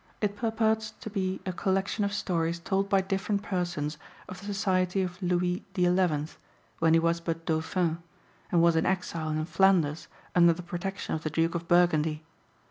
It purports to be a collection of stories told by different persons of the society of Louis XI., when he was but Dauphin, and was in exile in Flanders under the protection of the Duke of Burgundy.